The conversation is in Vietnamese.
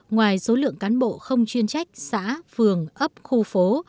ngoài số lượng cán bộ không chuyên trách xã phường ấp khu phố